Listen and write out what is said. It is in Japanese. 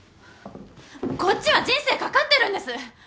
こっちは人生かかってるんです！